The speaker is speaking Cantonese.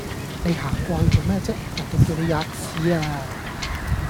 你行過去做咩啫？人地叫你喫屎呀！